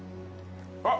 あっ。